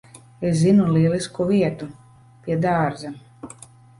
Es zinu lielisku vietu. Pie dārza.